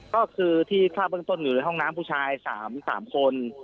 ก็คือที่ทราบเบื้องต้นอยู่ในห้องน้ำผู้ชาย๓คน